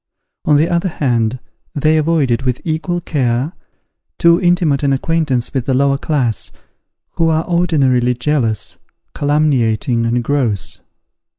On the other hand, they avoided, with equal care, too intimate an acquaintance with the lower class, who are ordinarily jealous, calumniating, and gross.